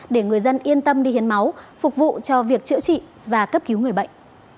để người dân yên tâm đi hiến máu phục vụ cho việc chữa trị và cấp cứu người bệnh